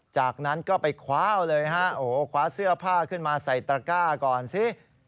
จากนั้นก็ไปคว้าวเลยฮะโอ้โหคว้าเสื้อผ้าขึ้นมาใส่ตระก้าก่อนสิ